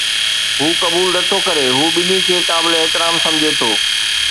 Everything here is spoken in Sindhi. هو قبول نه ٿو ڪري، هو ٻنهي کي قابل احترام سمجهي ٿو